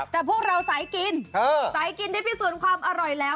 แต่พวกเราสายกินที่พิสูจน์ความอร่อยแล้ว